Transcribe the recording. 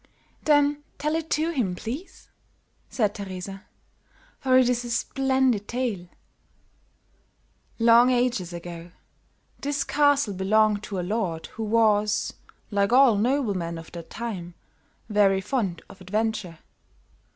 "Then tell it to him, please," said Teresa, "for it is a splendid tale." "Long ages ago, this castle belonged to a lord who was, like all noblemen of that time, very fond of adventure.